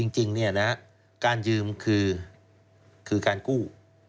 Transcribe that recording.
จริงการยืมคือการกู้